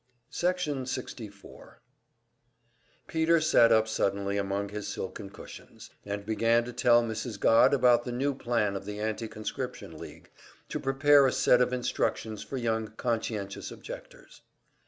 Section 64 Peter sat up suddenly among his silken cushions, and began to tell Mrs. Godd about the new plan of the Anti conscription League, to prepare a set of instructions for young conscientious objectors.